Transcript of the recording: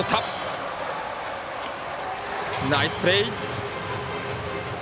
ナイスプレー！